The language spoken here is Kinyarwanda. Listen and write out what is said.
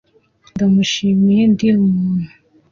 ndamushimiye, ndi umuntu,